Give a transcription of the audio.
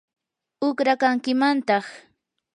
uqrakankimantaq.